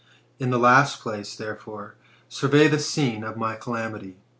In the last place, therefore, survey the scene of my calamity.